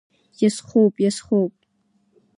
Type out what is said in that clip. Иазхоуп, иазхоуп!